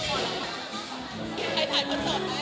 โอเคขอบคุณค่ะอาจารย์ค่ะ